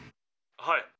「はい。